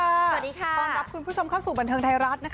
วันนี้เราเข้ามาเข้าสู่บันเทิงไทยรัส